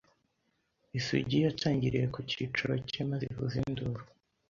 Isugi yatangiriye ku cyicaro cye maze ivuza induru